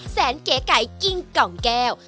แสนเก๋ไก่กินกล่องแก้ว